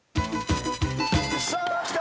さあきた。